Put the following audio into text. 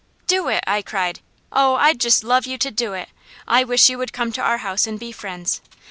"Do it!" I cried. "Oh, I'd just love you to do it! I wish you would come to our house and be friends.